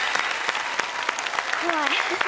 怖い。